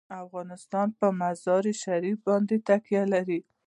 افغانستان په مزارشریف باندې تکیه لري.